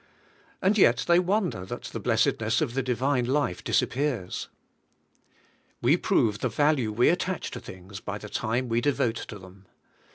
And yet they wonder that the blessedness of the divine life disappears. We prove the value we attach to things by the time we devote to them.